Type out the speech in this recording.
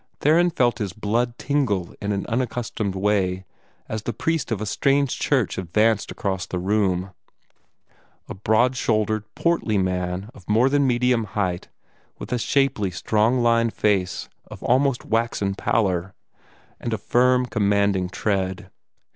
Theron felt his blood tingle in an unaccustomed way as this priest of a strange church advanced across the room a broad shouldered, portly man of more than middle height, with a shapely, strong lined face of almost waxen pallor, and a firm, commanding tread.